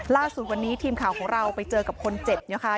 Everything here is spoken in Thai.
ล่าสุดวันนี้ทีมข่าวของเราไปเจอกับคนเจ็บนะคะ